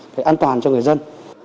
cái an toàn cho người dân